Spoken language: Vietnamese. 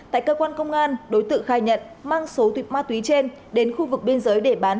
tại cơ quan công an đối tượng khai nhận mang số tịch ma túy trên đến khu vực biên giới để bán